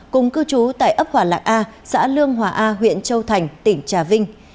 cùng cư trú tại ấp hòa lạc a xã lương hòa a huyện châu thành tỉnh trà vinh